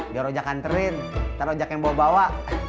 biar ojek kan terin ntar ojek yang bawa bawa